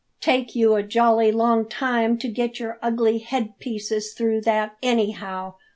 "Take you a jolly long time to get your ugly head pieces through that, anyhow!"